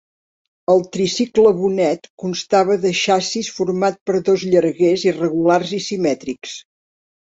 El tricicle Bonet constava de xassís format per dos llarguers irregulars i simètrics.